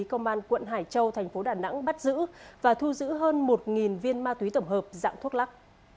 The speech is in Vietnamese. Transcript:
công an quận hải châu thành phố đà nẵng bắt giữ và thu giữ hơn một viên ma túy tổng hợp dạng thuốc lắc